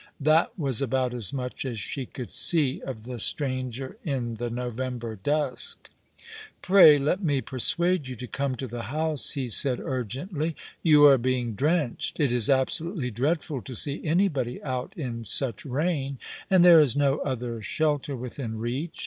That was about as much as she could see of the stranger in the November dusk. " Pray let me persuade you to come to the house," he said urgently. "You are being drenched. It is absolutely dreadful to see anybody out in such rain — and there is no other shelter within reach.